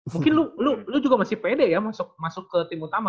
mungkin lu juga masih pede ya masuk ke tim utama